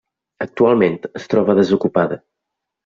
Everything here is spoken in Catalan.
Actualment es troba desocupada.